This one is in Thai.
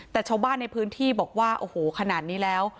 แต่ชาวบ้านในพื้นที่บอกว่าโอ้โหขนาดนี้แล้ว